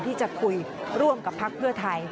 ที่จะคุยร่วมกับพักเพื่อไทย